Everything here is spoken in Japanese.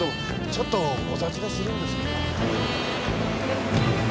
ちょっとお尋ねするんですけど。